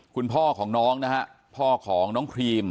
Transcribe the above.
คุณพ่อของน้องนะฮะพ่อของน้องครีม